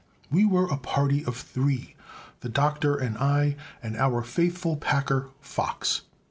We were a party of three, the Doctor and I, and our faithful packer, Fox.